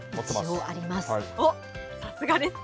おっ、さすがです。